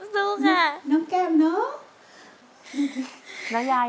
สู้ลูกสู้เลยลูก